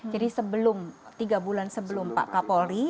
jadi sebelum tiga bulan sebelum pak kapolri